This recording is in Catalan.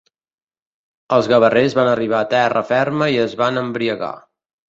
Els gavarrers van arribar a terra ferma i es van embriagar.